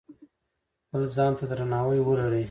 خپل ځان ته درناوی ولرئ.